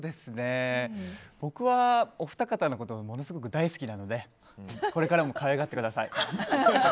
僕はお二方のことがものすごく大好きなのでこれからも可愛がってください。